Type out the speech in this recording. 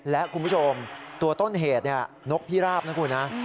และคุณผู้ชมตัวต้นเหตุนกพิราบนะคุณนะ